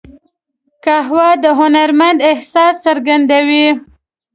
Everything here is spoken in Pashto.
قهوه د هنرمند احساس څرګندوي